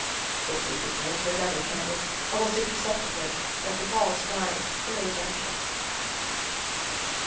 This evening we enter another canyon, almost imperceptibly, as the walls rise very gently.